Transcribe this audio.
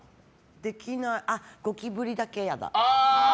あ、ゴキブリだけ嫌だ。